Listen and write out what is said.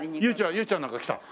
裕ちゃんなんか来た？